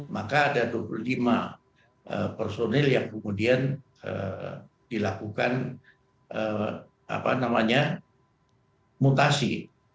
maka ada dua puluh lima personil yang kemudian dilakukan mutasi